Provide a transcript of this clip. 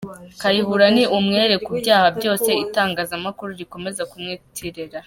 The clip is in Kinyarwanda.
Kayihura ni umwere ku byaha byose itangazamakuru rikomeza kumwitirira.